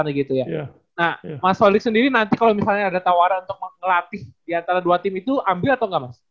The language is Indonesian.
nah mas solik sendiri nanti kalau misalnya ada tawaran untuk ngelapis diantara dua tim itu ambil atau enggak mas